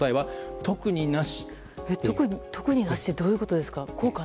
特になしってどういうことですか？